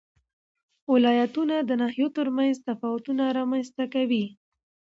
ولایتونه د ناحیو ترمنځ تفاوتونه رامنځ ته کوي.